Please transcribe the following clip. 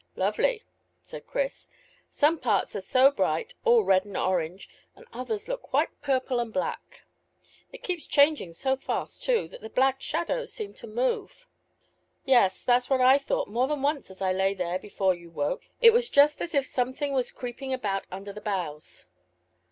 "Lovely," said Chris. "Some parts are so bright, all red and orange, and others look quite purple and black. It keeps changing so fast too, that the black shadows seem to move." "Yes; that's what I thought more than once as I lay there before you woke. It was just as if something was creeping about under the boughs."